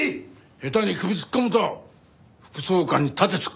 下手に首突っ込むと副総監に盾突く事になる。